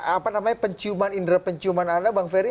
apa namanya penciuman indera penciuman anda bang ferry